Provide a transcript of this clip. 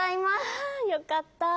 あよかった。